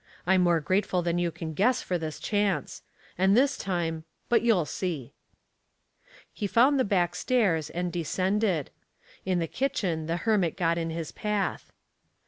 I'm more grateful than you can guess for this chance. And this time but you'll see." He found the back stairs, and descended. In the kitchen the hermit got in his path.